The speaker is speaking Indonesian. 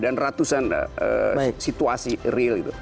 dan ratusan situasi real